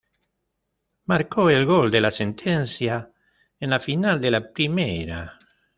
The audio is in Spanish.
Marcó el gol de la sentencia en la final de la primera.